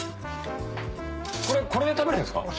これで食べるんですか？